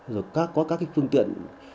rồi có các phương tiện